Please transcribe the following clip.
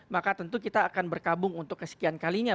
maka tentu kita akan berkabung untuk kesekian kalinya